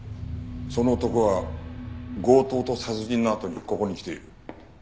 その男は強盗と殺人のあとにここに来ている。